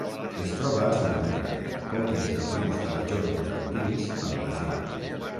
Es troba a Sud-amèrica: conques dels rius Tapajós i Tocantins al Brasil.